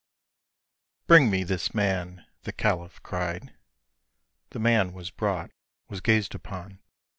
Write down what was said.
"Bring me this man," the caliph cried. The man Was brought, was gazed upon.